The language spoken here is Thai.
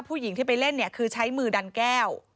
ผู้หญิงที่ไปเล่นเนี่ยคือใช้มือดันแก้ว